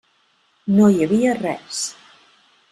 No hi havia res.